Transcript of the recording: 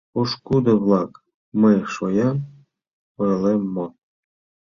Пошкудо-влак, мый шоям ойлем мо?